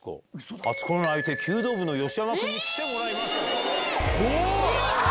初恋の相手、弓道部の吉山君に来てもらいました。